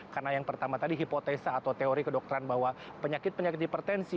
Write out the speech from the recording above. karena yang pertama tadi hipotesa atau teori kedokteran bahwa penyakit penyakit hipertensi